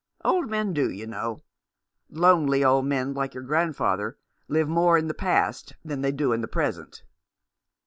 Old men do, you know ; lonely old men like your grandfather live more in the past than they do in the present."